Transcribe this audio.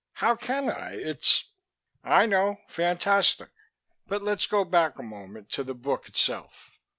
How can I? It's " "I know. Fantastic. But let's go back a moment to the book itself.